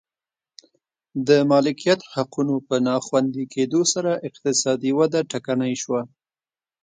د مالکیت حقونو په ناخوندي کېدو سره اقتصادي وده ټکنۍ شوه.